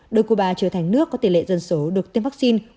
đưa cuba trở thành nước có tỷ lệ dân số được tiêm vaccine